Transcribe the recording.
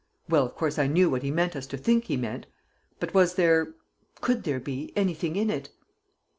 Well, of course, I knew what he meant us to think he meant; but was there, could there be, anything in it?"